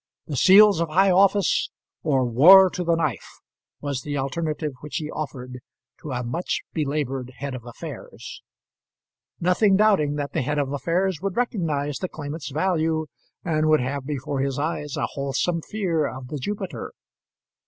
The seals of high office, or war to the knife, was the alternative which he offered to a much belaboured Head of Affairs nothing doubting that the Head of Affairs would recognize the claimant's value, and would have before his eyes a wholesome fear of the Jupiter.